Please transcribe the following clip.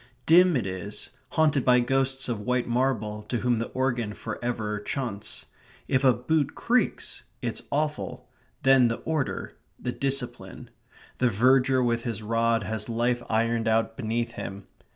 Dim it is, haunted by ghosts of white marble, to whom the organ for ever chaunts. If a boot creaks, it's awful; then the order; the discipline. The verger with his rod has life ironed out beneath him.